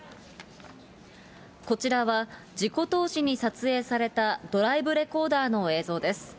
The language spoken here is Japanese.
こちらは、事故当時に撮影されたドライブレコーダーの映像です。